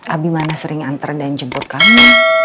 abi mana sering antar dan jemput kamu